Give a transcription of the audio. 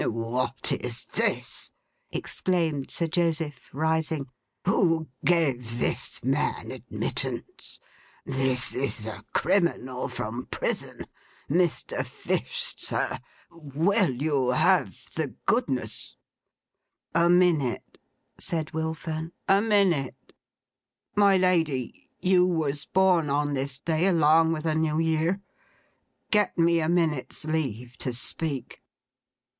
'What is this!' exclaimed Sir Joseph, rising. 'Who gave this man admittance? This is a criminal from prison! Mr. Fish, sir, will you have the goodness—' 'A minute!' said Will Fern. 'A minute! My Lady, you was born on this day along with a New Year. Get me a minute's leave to speak.